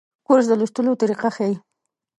کورس د لوستلو طریقه ښيي.